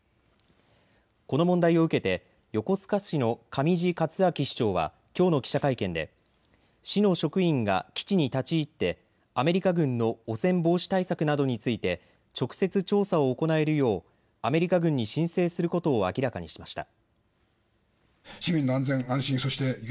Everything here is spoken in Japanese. この問題を受けて横須賀市の上地克明市長はきょうの記者会見で市の職員が基地に立ち入ってアメリカ軍の汚染防止対策などについて直接、調査を行えるようアメリカ軍に申請することを明らかにしました。